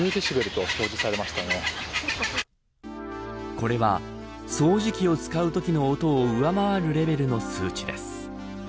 これは掃除機を使うときの音を上回るレベルの数値です。